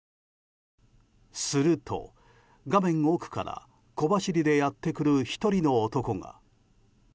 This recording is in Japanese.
すると、画面奥から小走りでやってくる１人の男が。